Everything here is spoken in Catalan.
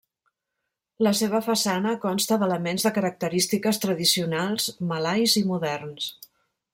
La seva façana consta d'elements de característiques tradicionals malais i moderns.